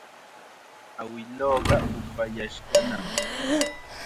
Awiluuqa upayashqanam.